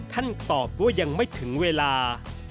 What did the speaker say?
ตอบว่ายังไม่ถึงเวลา